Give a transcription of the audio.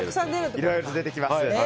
いろいろと出てきます。